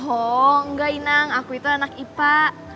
oh enggak inang aku itu anak ipa